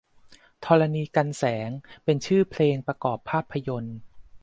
ธรณีกรรแสง เป็นชื่อเพลงประกอบภาพยนต์